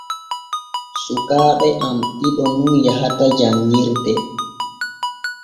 Sukaaɓe am ɗiɗo nun yahata janŋirde.